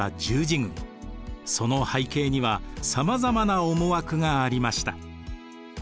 その背景には様々な思惑がありました。